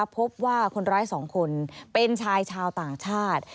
พบว่าคนร้าย๒คนเป็นชายชาวต่างชาติ